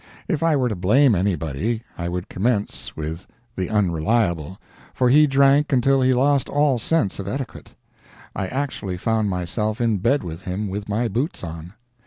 If I were to blame anybody, I would commence with the Unreliable—for he drank until he lost all sense of etiquette. I actually found myself in bed with him with my boots on.